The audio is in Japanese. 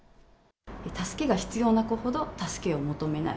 助けが必要な子ほど助けを求めない。